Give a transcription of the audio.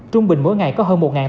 trung bình mỗi ngày có hơn